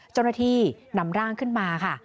เจ้าหน้าที่นำร่างขึ้นมาค่ะ